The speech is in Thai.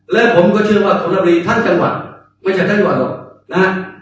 และผมก็เชื่อว่าธรณีทั้งจังหวัดไม่ใช่ทั้งจังหวัดหรอกนะฮะ